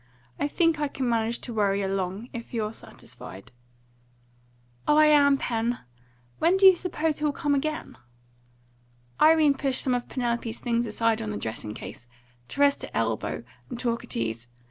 I think I can manage to worry along, if you're satisfied." "Oh, I AM, Pen. When do you suppose he'll come again?" Irene pushed some of Penelope's things aside on the dressing case, to rest her elbow and talk at ease.